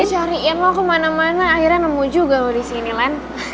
gue cariin lo kemana mana akhirnya nemu juga lo disini lan